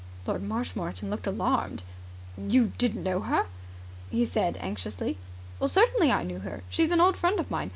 Lord Marshmoreton looked alarmed. "You didn't know her?" he said anxiously. "Certainly I knew her. She is an old friend of mine.